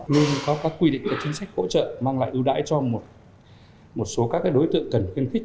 luôn có các quy định chính sách hỗ trợ mang lại ưu đãi cho một số các đối tượng cần khuyên khích